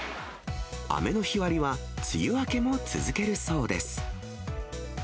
雨の日割りは、梅雨明けも続けるそうです。